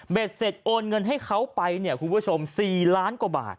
เสร็จโอนเงินให้เขาไปเนี่ยคุณผู้ชม๔ล้านกว่าบาท